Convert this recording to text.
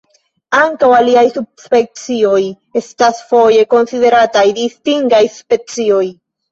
Ankaŭ aliaj subspecioj estas foje konsiderataj distingaj specioj.